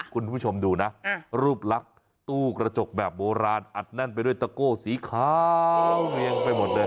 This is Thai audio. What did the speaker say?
คุณผู้ชมดูนะรูปลักษณ์ตู้กระจกแบบโบราณอัดแน่นไปด้วยตะโก้สีขาวเรียงไปหมดเลย